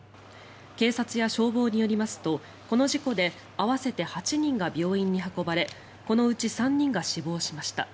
警察や消防によりますとこの事故で合わせて８人が病院に運ばれこのうち３人が死亡しました。